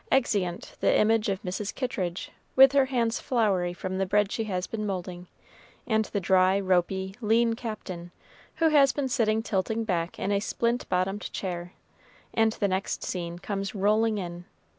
Exeunt the image of Mrs. Kittridge, with her hands floury from the bread she has been moulding, and the dry, ropy, lean Captain, who has been sitting tilting back in a splint bottomed chair, and the next scene comes rolling in.